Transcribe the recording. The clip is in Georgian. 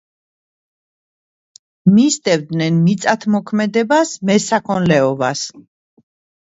მისდევენ მიწათმოქმედებას, მესაქონლეობას.